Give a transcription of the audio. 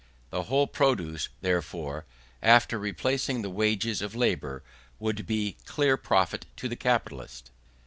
The whole produce, therefore, after replacing the wages of labour, would be clear profit to the capitalist.